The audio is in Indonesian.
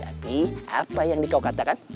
tapi apa yang dikau katakan